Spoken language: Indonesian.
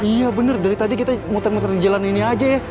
iya bener dari tadi kita muter muter di jalan ini aja ya